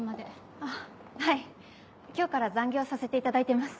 あっはい今日から残業させていただいてます。